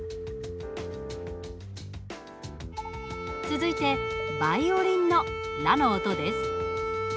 続いてバイオリンのラの音です。